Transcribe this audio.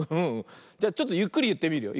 じゃちょっとゆっくりいってみるよ。